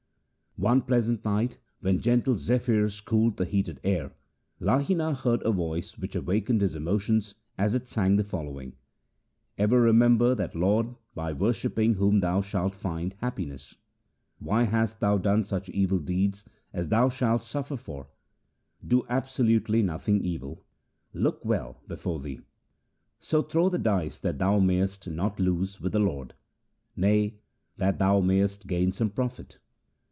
One pleasant night when gentle zephyrs cooled the heated air, Lahina heard a voice which awakened his emotions as it sang the following :— Ever remember that Lord by worshipping whom thou shalt find happiness. Why hast thou done such evil deeds as thou shalt suffer for ? Do absolutely nothing evil ; look well before thee. So throw the dice that thou mayest not lose with the Lord, Nay, that thou mayest gain some profit.